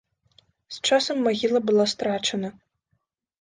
З часам магіла была страчана.